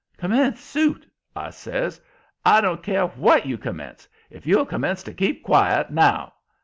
"Commence suit!" I says. "I don't care WHAT you commence, if you'll commence to keep quiet now!"